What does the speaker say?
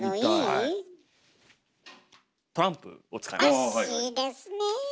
あっいいですね。